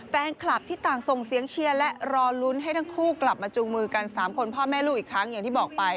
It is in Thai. แฟนคลับที่ต่างส่งเสียงเชียร์และรอลุ้นให้ทั้งคู่กลับมาจูงมือกัน๓คนพ่อแม่ลูกอีกครั้งอย่างที่บอกไป